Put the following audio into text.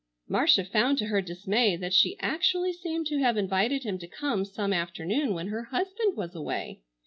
Marcia found to her dismay that she actually seemed to have invited him to come some afternoon when her husband was away.